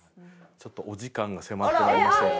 ちょっとお時間が迫ってまいりましたので。